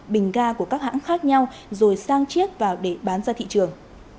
bình ga của các hãng khác nhau rồi sang chiết vào để bán ra thị trường